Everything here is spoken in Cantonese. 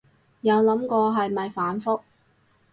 有諗過係咪反覆